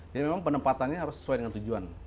jadi memang penempatannya harus sesuai dengan tujuan